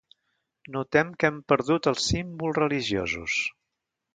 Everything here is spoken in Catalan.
Notem que hem perdut els símbols religiosos.